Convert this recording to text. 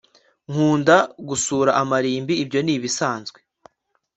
Nkunda gusura amarimbi Ibyo ni ibisanzwe